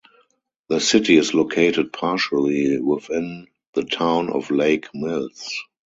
The city is located partially within the Town of Lake Mills.